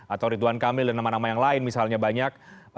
atau ridwan kamil dan nama nama yang lain misalnya banyak